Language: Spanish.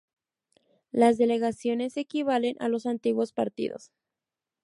Las delegaciones equivalen a los antiguos partidos.